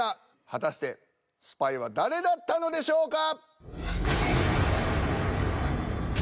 果たしてスパイは誰だったのでしょうか？